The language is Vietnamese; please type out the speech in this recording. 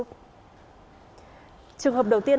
trường hợp đầu tiên